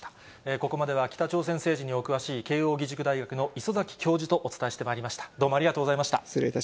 ここまでは北朝鮮政治にお詳しい、慶應義塾大学の礒崎教授とお伝えしてまいりました。